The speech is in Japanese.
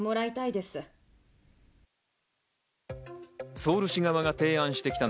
ソウル市側が提案してきたの